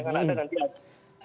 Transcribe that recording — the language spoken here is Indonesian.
jadi jangan ada nanti